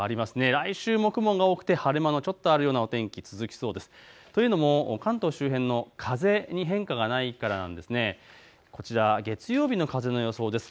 来週も雲が多くて晴れ間がちょっとあるような天気、続きそうです。というのも関東周辺風に変化があって月曜日、風の予想です。